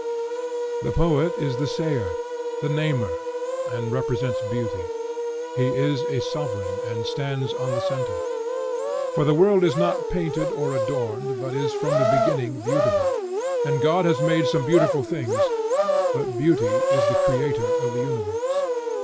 The poet is the sayer, the namer, and represents beauty. He is a sovereign, and stands on the centre. For the world is not painted or adorned, but is from the beginning beautiful; and God has not made some beautiful things, but Beauty is the creator of the universe.